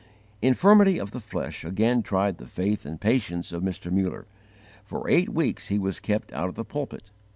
Infirmity of the flesh again tried the faith and patience of Mr. Muller. For eight weeks he was kept out of the pulpit.